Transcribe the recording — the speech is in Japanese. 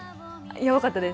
やばかったです。